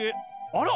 あら！？